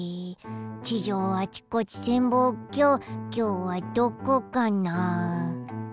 地上あちこち潜望鏡きょうはどこかな。